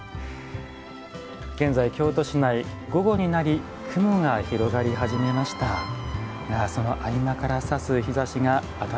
現在、京都市内、午後になり雲が広がり始めました。